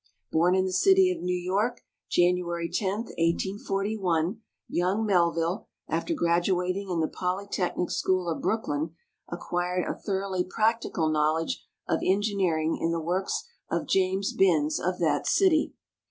Born in the city of New York January 1(», is II. young Melville, after graduating in the Polytechnic School of Hrooklyn. ac<iuired 188 GEORGE W. MELVILLE a thoroughly practical knowledge of engineering in the works of James Binns of that city.